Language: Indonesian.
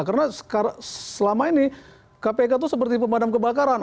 karena selama ini kpk itu seperti pemadam kebakaran